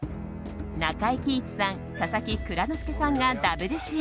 中井貴一さん佐々木蔵之介さんがＷ主演。